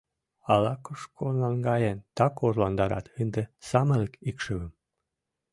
Ала-кушко наҥгаен, так орландарат ынде самырык икшывым.